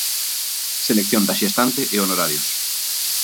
Selección da xestante e honorarios.